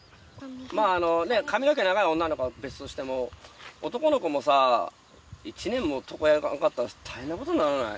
まああのね髪の毛長い女の子は別としても男の子もさ１年も床屋行かんかったら大変なことにならない？